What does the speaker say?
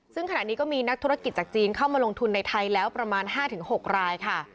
ซึ่งขณะนี้ก็มีนักธุรกิจจากจีนเข้ามาลงทุนในไทยแล้วประมาณ๕๖รายค่ะ